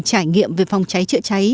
trải nghiệm về phòng cháy chữa cháy